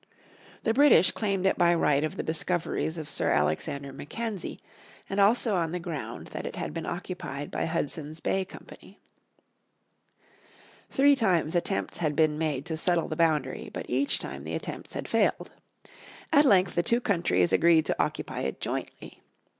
The British claimed it by right of the discoveries of Sir Alexander Mackenzie, and also on the ground that it had been occupied by Hudson's Bay Company. Three times attempts had been made to settle the boundary, but each time the attempts had failed. At length the two countries agreed to occupy it jointly.